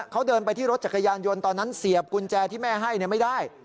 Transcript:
เขาเดินไปที่รถจักรยานยนต์ตอนนั้นเสียบกุญแจที่แม่ให้ไม่ได้